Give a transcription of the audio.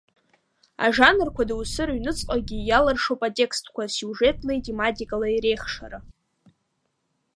Ажанрқәа доусы рыҩныҵҟагьы иалыршоуп атекстқәа сиужетлеи тематикалеи реихшара.